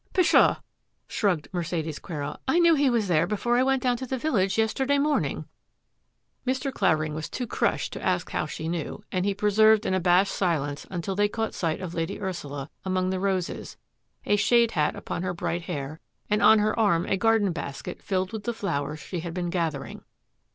" Pshaw !" shrugged Mercedes Quero, " I knew he was there before I went down to the village yes terday morning." MERCEDES QUERO TO THE FORE «!67 Mr. Clavering was too crushed to ask how she knew and he preserved an abashed silence until they caught sight of Lady Ursula among the roses, a shade hat upon her bright hair, and on her arm a garden basket filled with the flowers she had been gathering.